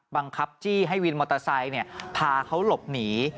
บังคับจี้ให้วินมอเตอร์ไซค์พาเขาหลบหนี